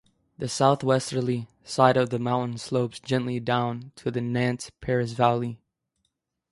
The south-westerly side of the mountain slopes gently down to the Nant Peris valley.